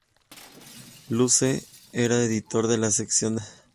Luce era editor de la sección de noticias.